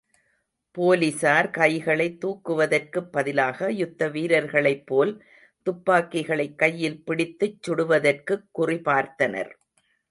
போலிஸார், கைகளைத் தூக்குவதற்குப் பதிலாக, யுத்த வீரர்களைப் போல், துப்பாக்கிகளைக் கையில் பிடித்துச் சுடுவதற்குக் குறிபார்த்தனர்.